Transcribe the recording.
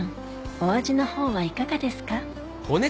お味の方はいかがですか？